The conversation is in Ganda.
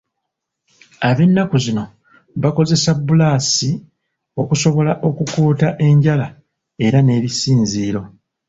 Ab'ennaku zino bakozesa bbulaasi okusobola okukuuta enjala era n'ebisinziiro.